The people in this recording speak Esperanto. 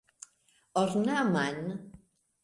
ornaman